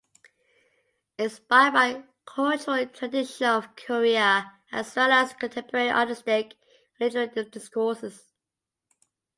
Inspired by cultural traditions of Korea as well as contemporary artistic and literary discourses.